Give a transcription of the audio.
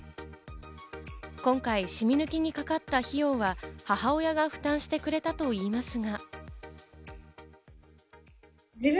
今回、染み抜きにかかった費用は、母親が負担してくれたといいますが。